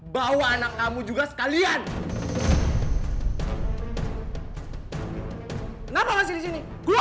bawa anak kamu juga sekalian kenapa masih disini keluar